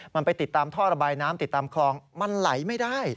มันไปติดตามท่อระบายน้ำติดตามคลองมันไหลไม่ได้